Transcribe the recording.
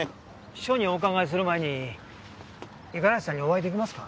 署にお伺いする前に五十嵐さんにお会い出来ますか？